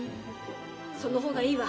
その方がいいわ。